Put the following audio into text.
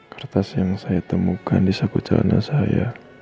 kertas yang saya temukan di saku celana saya